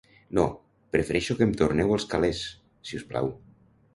No, prefereixo que em torneu els calers, si us plau.